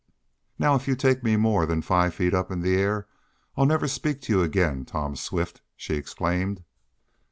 "Now, if you take me more than five feet up in the air, I'll never speak to you again, Tom Swift!" she exclaimed.